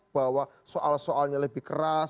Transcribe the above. bahwa soal soalnya lebih keras